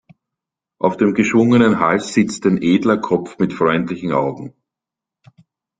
Auf dem geschwungenen Hals sitzt ein edler Kopf mit freundlichen Augen.